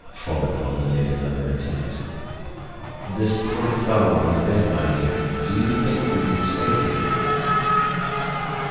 Vollenhoven made another attempt. "This poor fellow on the bed, mynheer. Do you think you can save him?"